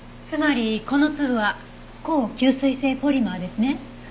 つまりこの粒は高吸水性ポリマーですね。